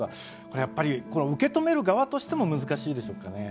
これはやっぱり受け止める側としても難しいでしょうかね。